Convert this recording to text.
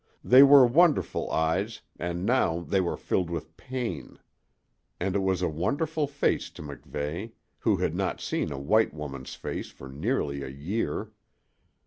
They were wonderful eyes, and now they were filled with pain. And it was a wonderful face to MacVeigh, who had not seen a white woman's face for nearly a year.